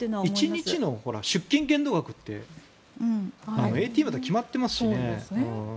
１日の出金限度額ってＡＴＭって決まってますしね。